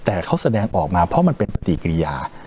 แต่เขาแสดงออกมาเพราะมันเป็นปฏิกิริยา